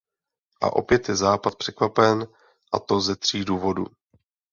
A opět je západ překvapen, a to ze tří důvodů.